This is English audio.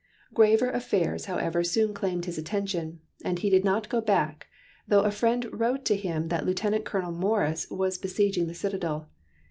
Graver affairs however soon claimed his attention, and he did not go back, though a friend wrote to him that Lieutenant Colonel Morris was besieging the citadel.